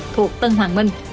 thuộc tân hoàng minh